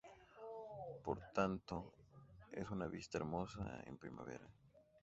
Por tanto, es una vista hermosa en primavera.